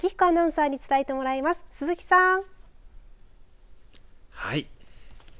アナウンサーに伝えてもらいます、鈴木さん。